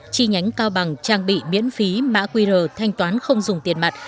chi nhánh cao bằng trang bị miễn phí mã qr thanh toán không dùng tiền mặt